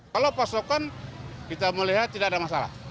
kalau pasokan kita melihat tidak ada masalah